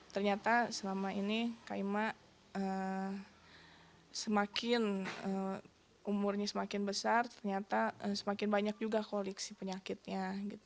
ternyata selama ini kaima umurnya semakin besar ternyata semakin banyak juga koleksi penyakitnya